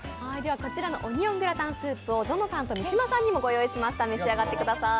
こちらのオニオングラタンスープをぞのさんと三島さんにもご用意しました。